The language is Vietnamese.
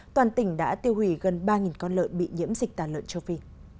toàn tỉnh đã tiêu hủy gần ba con lợn bị nhiễm dịch tả lợn châu phi